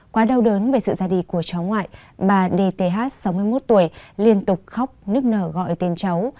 quá đau đớn về sự ra đi của cháu ngoại bà dth sáu mươi một tuổi liên tục khóc nức nở gọi tên cháu